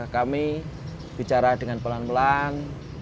kami bicara dengan pelan pelan